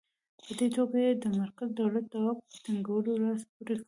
په دې توګه یې د مرکزي دولت د واک په ټینګولو لاس پورې کړ.